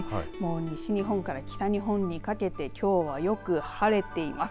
西日本から北日本にかけてきょうはよく晴れています。